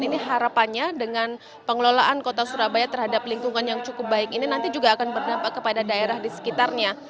dan ini harapannya dengan pengelolaan kota surabaya terhadap lingkungan yang cukup baik ini nanti juga akan berdampak kepada daerah di sekitarnya